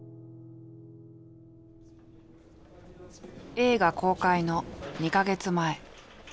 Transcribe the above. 映画公開の２か月前。